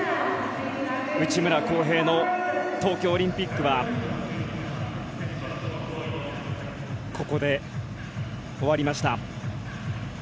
内村航平の東京オリンピックはここで終わりました。